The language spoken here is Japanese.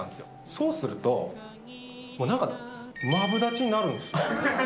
そうすると、もうなんか、マブダチになるんです。